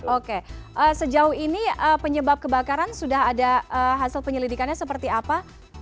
oke sejauh ini penyebab kebakaran sudah ada hasil penyelidikannya seperti apa